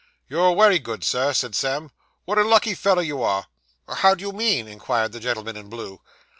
'You're wery good, sir,' said Sam. 'What a lucky feller you are!' 'How do you mean?' inquired the gentleman in blue.